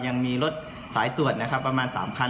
ยังมีรถสายตรวจนะครับประมาณ๓คัน